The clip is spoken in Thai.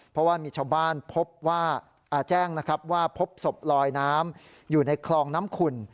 เพราะว่ามีชาวบ้านพบว่าแจ้งนะครับว่าพบศพลอยน้ำอยู่ในคลองน้ำขุ่น